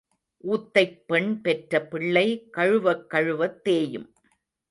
ஊத்தைப் பெண் பெற்ற பிள்ளை கழுவக் கழுவத் தேயும்.